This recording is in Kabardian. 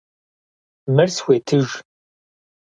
Мыр схуетыж!